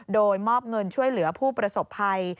โดยมอบเงินช่วยเหลือผู้ประสบภัย